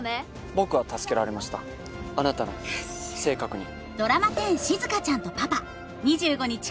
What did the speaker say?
僕は助けられましたあなたの性格に。